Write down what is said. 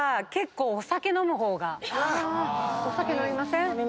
お酒飲みません